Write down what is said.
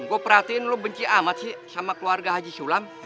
gue perhatiin lu benci amat sih sama keluarga haji sulam